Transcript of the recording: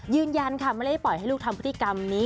ยืนยันค่ะไม่ได้ปล่อยให้ลูกทำพฤติกรรมนี้